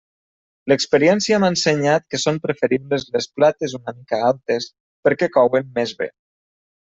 L'experiència m'ha ensenyat que són preferibles les plates una mica altes, perquè couen més bé.